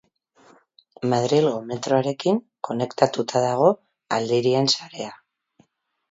Madrilgo metroarekin konektatuta dago aldirien sarea.